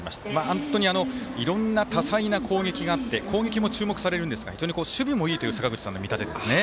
本当にいろんな多彩な攻撃があって攻撃も注目されるんですが非常に守備もいいという坂口さんの見立てですね。